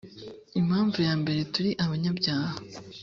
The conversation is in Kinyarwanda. impamvu yambere turi abanyabyaha .